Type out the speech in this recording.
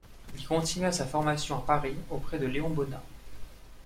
Il continua sa formation à Paris auprès de Léon Bonnat.